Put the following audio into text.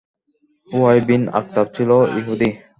Huawei bin Akhtab ছিল ইহুদী।